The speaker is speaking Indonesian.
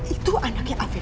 itu anaknya afif